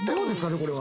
これは。